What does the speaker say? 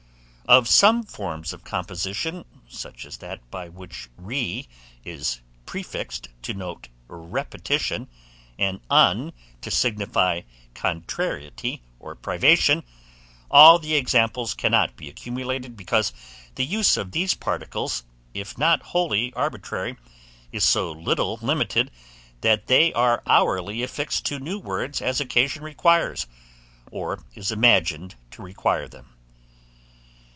Of some forms of composition, such as that by which re is prefixed to note repetition, and un to signify contrariety or privation, all the examples cannot be accumulated, because the use of these particles, if not wholly arbitrary, is so little limited, that they are hourly affixed to new words as occasion requires, or is imagined to require them.